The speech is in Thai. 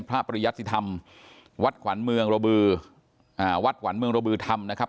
ปริยัติธรรมวัดขวัญเมืองระบืออ่าวัดขวัญเมืองระบือธรรมนะครับ